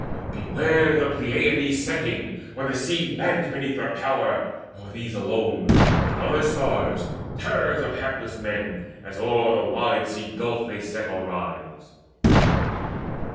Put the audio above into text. Beware the Pleiads' setting, when the sea Maddens beneath their power nor these alone, But other stars, terrors of hapless men, As o'er the wide sea gulf they set or rise."